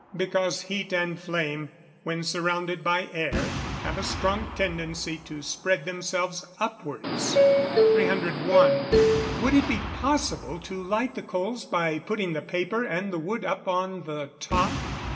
_ Because heat and flame, when surrounded by air, have a strong tendency to spread themselves upwards. 301. _Would it be possible to light the coals by putting the paper and the wood upon the top?